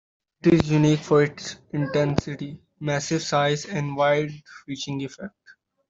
It is unique for its intensity, massive size and wide-reaching effect.